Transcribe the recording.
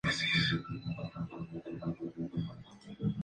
Con una o varias flores en las axilas de las hojas.